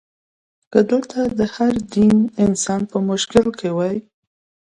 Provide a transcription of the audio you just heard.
که دلته د هر دین انسان په مشکل کې وي.